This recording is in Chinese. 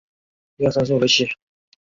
老河道被淤沙填积。